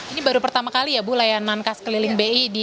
ini baru pertama kali ya bu layanan khas keliling bi